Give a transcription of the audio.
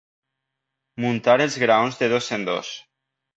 Muntar els graons de dos en dos.